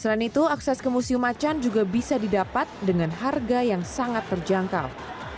selain itu akses ke museum acan juga bisa didapat dengan harga yang sangat terjangkau